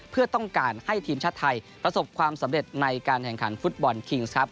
เพื่อต้องการให้ทีมชาติไทยประสบความสำเร็จในการแข่งขันฟุตบอลคิงส์ครับ